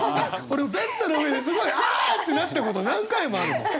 俺ベッドの上ですごいあ！ってなったこと何回もあるもん。